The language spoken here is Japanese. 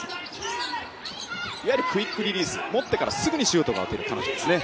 いわゆるクイックリリース、持ってから、すぐにシュートが打てる彼女ですね。